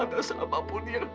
atas apapun yang